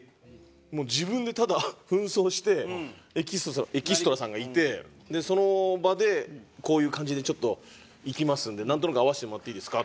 自分でただ扮装してエキストラさんがいてその場で「こういう感じでちょっといきますんでなんとなく合わせてもらっていいですか？」